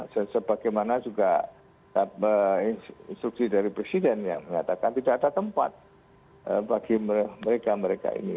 dan sebagaimana juga instruksi dari presiden yang mengatakan tidak ada tempat bagi mereka mereka ini